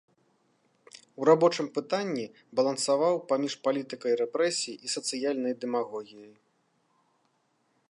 У рабочым пытанні балансаваў паміж палітыкай рэпрэсій і сацыяльнай дэмагогіяй.